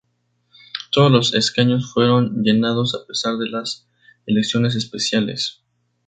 Todos los escaños fueron llenados a pesar de las elecciones especiales.